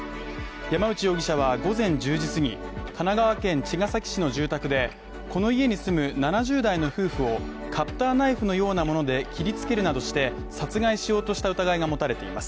山内容疑者は午前１０時過ぎ神奈川県茅ヶ崎市の住宅でこの家に住む７０代の夫婦をカッターナイフのようなもので切りつけるなどして殺害しようとした疑いが持たれています